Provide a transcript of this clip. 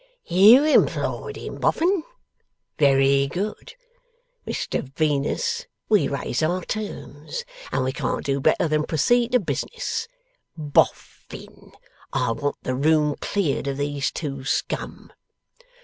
'Oh! You employed him, Boffin? Very good. Mr Venus, we raise our terms, and we can't do better than proceed to business. Bof fin! I want the room cleared of these two scum.